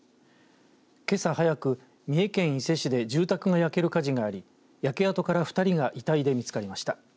けさ早く、三重県伊勢市で住宅が焼ける火事があり焼け跡から２人が遺体で見つかりました。